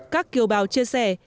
các kiều bào chia sẻ